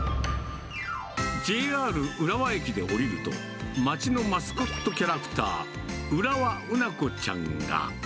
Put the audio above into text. ＪＲ浦和駅で降りると、街のマスコットキャラクター、浦和うなこちゃんが。